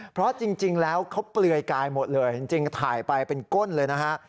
เพราะจริงแล้วเขาเปลือยกายหมดเลยจริงถ่ายไปเป็นก้นเลยนะฮะ